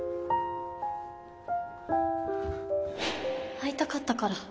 会いたかったから。